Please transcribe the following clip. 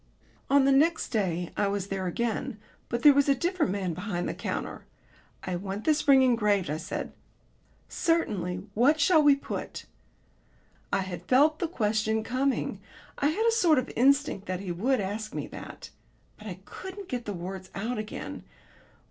On the next day I was there again; but there was a different man behind the counter. "I want this ring engraved," I said. "Certainly. What shall we put?" I had felt the question coming. I had a sort of instinct that he would ask me that. But I couldn't get the words out again.